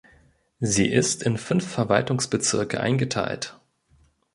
Sie ist in fünf Verwaltungsbezirke eingeteilt.